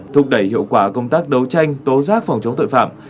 thúc đẩy hiệu quả công tác đấu tranh tố giác phòng chống tội phạm